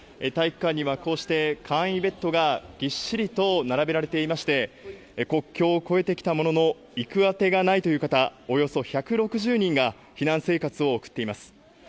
体育館にはこうして、簡易ベッドがぎっしりと並べられていまして、国境を越えてきたものの、行くあてがないという方、およそ１６０人が避難生活を送っています。